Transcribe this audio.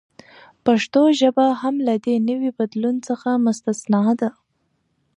پښتو ژبه هم له دې نوي بدلون څخه مستثناء نه ده.